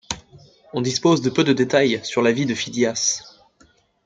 On dispose de peu de détails sur la vie de Phidias.